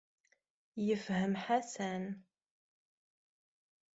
Yefhem Ḥasan.